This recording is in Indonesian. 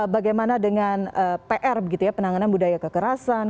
bagaimana dengan pr begitu ya penanganan budaya kekerasan